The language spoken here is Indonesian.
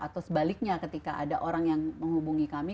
atau sebaliknya ketika ada orang yang menghubungi kami